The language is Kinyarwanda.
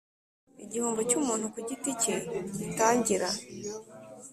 Igihombo cy umuntu ku giti cye gitangira